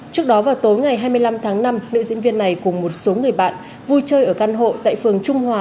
trước đó vào tối ngày hai mươi năm tháng năm nữ diễn viên này cùng một số người bạn vui chơi ở căn hộ tại phường trung hòa